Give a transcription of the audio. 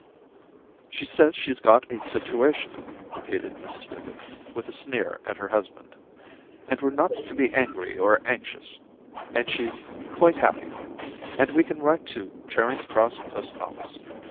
* She says she*s got a situation,' repeated Mrs Griffith, with a sneer at her husband, ' and we're not td be angry or anxious, and she's (quite happy — and we can write to Charing Cross Post Office.